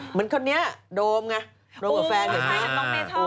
เหมือนคนนี้โดมไงโดมกับแฟนเหมือนกัน